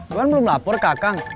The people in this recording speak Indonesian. iwan belum lapor kak kang